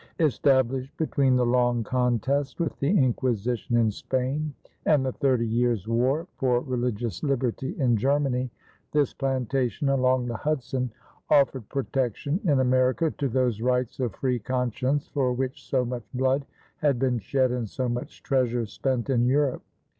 Established between the long contest with the Inquisition in Spain and the Thirty Years' War for religious liberty in Germany, this plantation along the Hudson offered protection in America to those rights of free conscience for which so much blood had been shed and so much treasure spent in Europe.